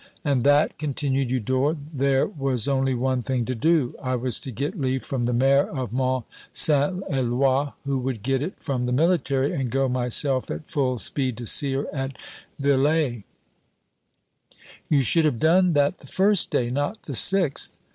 "And that," continued Eudore, "there was only one thing to do. I was to get leave from the mayor of Mont St Eloi, who would get it from the military, and go myself at full speed to see her at Villers." "You should have done that the first day, not the sixth!"